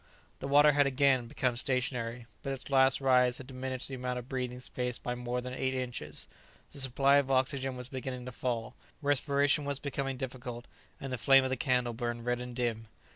The water had again become stationary, but its last rise had diminished the amount of breathing space by more than eight inches. The supply of oxygen was beginning to fail, respiration was becoming difficult, and the flame of the candle burned red and dim.